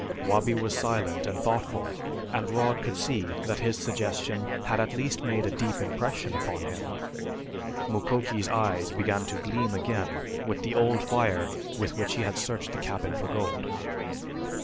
Wabi was silent and thoughtful and Rod could see that his suggestion had at least made a deep impression upon him. Mukoki's eyes began to gleam again with the old fire with which he had searched the cabin for gold.